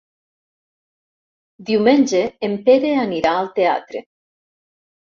Diumenge en Pere anirà al teatre.